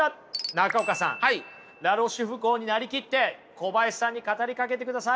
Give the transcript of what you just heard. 中岡さんラ・ロシュフコーに成りきって小林さんに語りかけてください